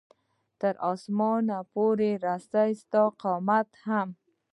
تر اسمانه پورې رسي ستا قامت هم